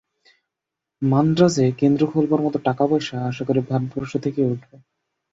মান্দ্রাজে কেন্দ্র খোলবার মত টাকাপয়সা, আশা করি ভারতবর্ষ থেকেই উঠবে।